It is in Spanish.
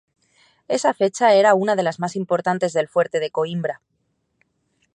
Esa fecha era una de las más importantes del Fuerte de Coímbra.